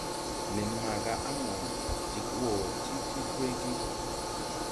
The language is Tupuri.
Nen maaga a mo dig wɔɔ ti ti fruygi.